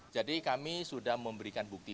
jadi kami sudah memberikan bukti